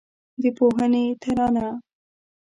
د پوهنې ترانه